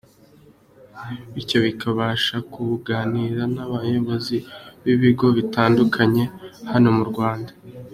rw, bityo bikabafasha kuganira n’abayobozi b’ibigo bitandukanye hano mu Rwanda.